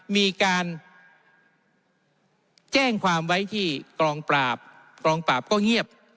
มีการแจ้งความไว้ที่กองปราบกองปราบก็เงียบ